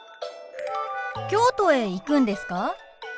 京都へ行くんですか？